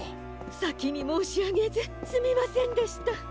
さきにもうしあげずすみませんでした。